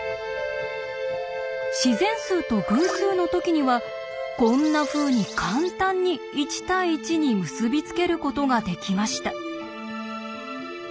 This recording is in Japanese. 自然数と偶数の時にはこんなふうに簡単に１対１に結び付けることができました。